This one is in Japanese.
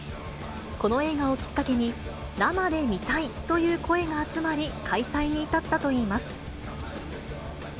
この映画をきっかけに、生で見たいという声が集まり、開催に至ったといいます。